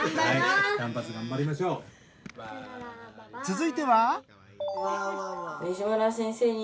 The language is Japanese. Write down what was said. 続いては。